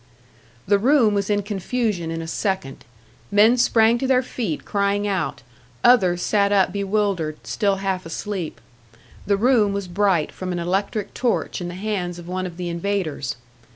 The room was in confusion in a second. Men sprang to their feet, crying out; others sat up bewildered, still half asleep. The room was bright from an electric torch in the hands of one of the invaders.